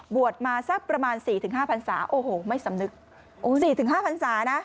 บวชมาสักประมาณสี่ถึงห้าพันศาโอ้โหไม่สำนึกโอ้สี่ถึงห้าพันศานะ